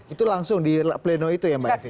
itu langsung di pleno itu ya mbak evi